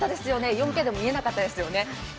４Ｋでも見えなかったですね。